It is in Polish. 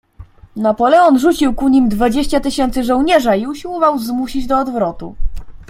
"Napoleon rzucił ku nim dwadzieścia tysięcy żołnierza i usiłował zmusić do odwrotu."